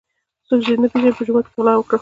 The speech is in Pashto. که څوک دي نه پیژني په جومات کي غلا وکړه.